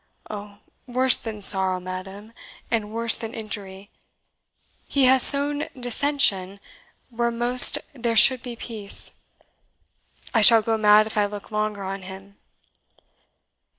"Oh, worse than sorrow, madam, and worse than injury he has sown dissension where most there should be peace. I shall go mad if I look longer on him!"